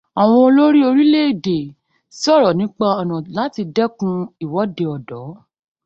Àwọn olórí orílẹ̀èdè sọ̀rọ̀ nípa ọ̀nà láti dẹ́kun ìwọ́de ọ̀dọ́.